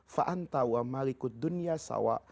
fa anta uama likut dunia sawa